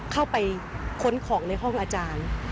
เข้าไปค้นของในห้องอาจารย์